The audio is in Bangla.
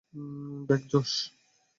Bake, Josh!